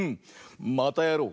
またやろう！